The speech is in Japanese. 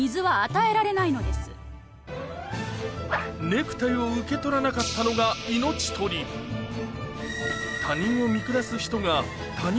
ネクタイを受け取らなかったのが命取りのお話です